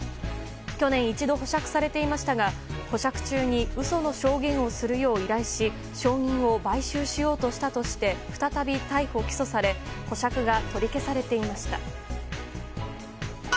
去年、一度保釈されていましたが保釈中に嘘の証言をするよう依頼し証人を買収しようとしたとして再び逮捕・起訴され保釈が取り消されていました。